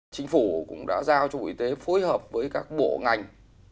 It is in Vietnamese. chính phủ cũng đã giao cho bộ y tế phối hợp với các bộ ngành